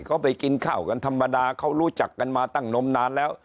เขาไปกินข้าวกันธรรมดาเขารู้จักกันมาตั้งนมนานแล้ว